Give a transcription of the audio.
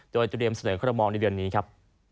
โดยเตรียมเสนอคอรมอลในเดือนนี้ครับ